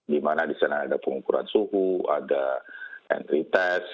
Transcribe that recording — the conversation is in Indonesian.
di mana di sana ada pengukuran suhu ada entry test